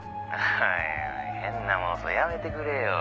おいおい変な妄想やめてくれよ。